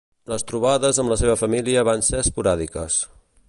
Les trobades amb la seva família van ser esporàdiques.